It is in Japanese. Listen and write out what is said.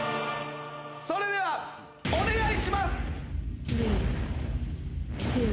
それではお願いします。